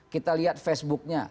kita lihat facebooknya